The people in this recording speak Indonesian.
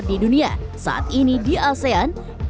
pertumbuhan investasi terbesar di dunia saat ini di asean